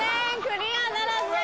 クリアならずです！